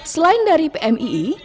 selain dari pmii